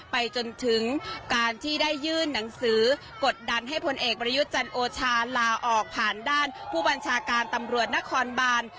ไปจนถึงการที่ได้ยื่นหนังสือกดดันให้พลเอกประยุทธ์จันโอชาลาออกผ่านด้านผู้บัญชาการตำรวจนครบาน